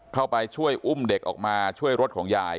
เข้าไปช่วยอุ้มเด็กออกมาช่วยรถของยาย